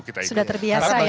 sudah terbiasa ya pak ya